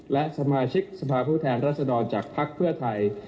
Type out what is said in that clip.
และสมาชิกสภาพผู้แทนรัศดรจากภักดิ์เพื่อไทย